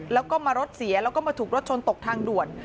แล้วก็มารถเสียแล้วก็มาถูกรถชนตกทางด่วน